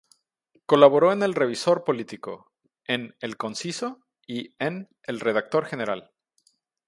Colaboró en el Revisor Político, en "El Conciso" y en "El Redactor General".